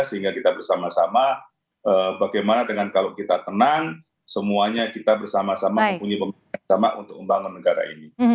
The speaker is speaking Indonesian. sehingga kita bersama sama bagaimana dengan kalau kita tenang semuanya kita bersama sama mempunyai pemimpin yang sama untuk membangun negara ini